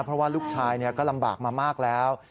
เพราะว่าลูกชายก็ลำบากมามากแล้ว